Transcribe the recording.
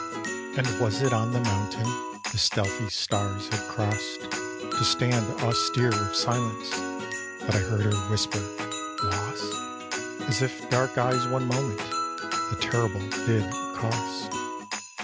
And was it on the mountain, The stealthy stars had crossed To stand austere with silence, That I heard her whisper, "Lost"? As if dark eyes one moment The Terrible did accost.